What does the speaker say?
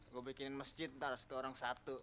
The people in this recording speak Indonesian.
gue bikinin masjid ntar satu orang satu